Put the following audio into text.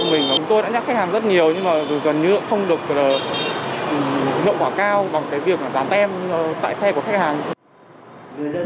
nhưng mà gần như không được nhộn quả cao bằng việc gián tem tại xe của khách hàng